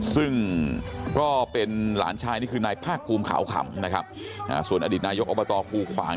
ซึ่งก็เป็นหลานชายนี่คือนายภาคภูมิขาวขำนะครับส่วนอดีตนายกอบตภูขวาง